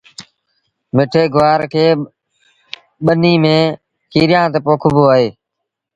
مٺي گُوآر کي ٻنيٚ ميݩ کيريآݩ تي پوکبو اهي